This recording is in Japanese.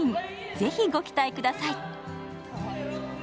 ぜひご期待ください。